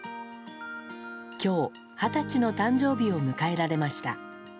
今日、二十歳の誕生日を迎えられました。